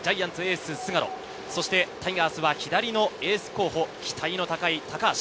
ジャイアンツエース菅野、タイガースは左のエース候補、期待の高い高橋。